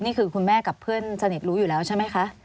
คุณแม่กับเพื่อนสนิทรู้อยู่แล้วใช่ไหมคะ